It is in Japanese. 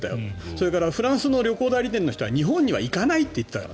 それからフランスの旅行代理店の方は日本には行かないと言った。